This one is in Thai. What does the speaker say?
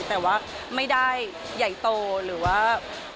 แต่ว่าไม่ได้ใหญ่โตหรือว่า